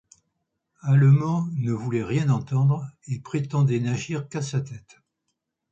Allemand ne voulait rien entendre et prétendait n’agir qu’à sa tête.